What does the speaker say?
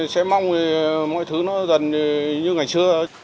sẽ mong thì mọi thứ nó dần như ngày xưa